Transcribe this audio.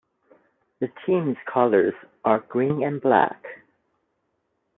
The team's colors are green and black.